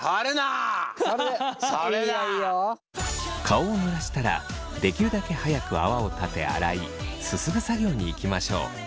顔をぬらしたらできるだけ早く泡を立て洗いすすぐ作業にいきましょう。